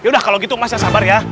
ya udah kalau gitu mas ya sabar ya